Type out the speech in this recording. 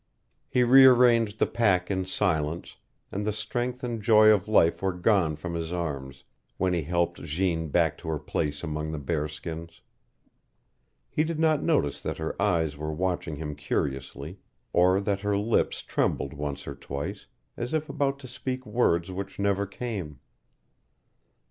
He rearranged the pack in silence, and the strength and joy of life were gone from his arms when he helped Jeanne back to her place among the bear skins. He did not notice that her eyes were watching him curiously, or that her lips trembled once or twice, as if about to speak words which never came.